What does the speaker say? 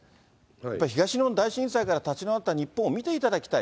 やっぱり東日本大震災から立ち直った日本を見ていただきたい。